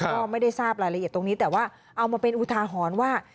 ก็ไม่ได้ทราบรายละเอียดตรงนี้แต่ว่าเอามาเป็นอุทาหรณ์ว่า